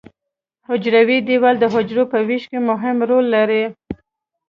حجروي دیوال د حجرې په ویش کې مهم رول لري.